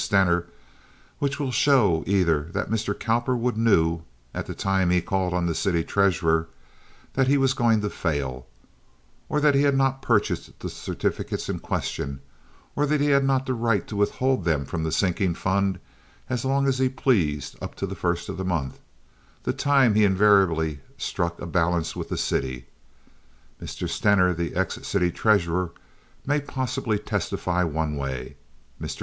Stener, which will show either that Mr. Cowperwood knew, at the time he called on the city treasurer, that he was going to fail, or that he had not purchased the certificates in question, or that he had not the right to withhold them from the sinking fund as long as he pleased up to the first of the month, the time he invariably struck a balance with the city. Mr. Stener, the ex city treasurer, may possibly testify one way. Mr.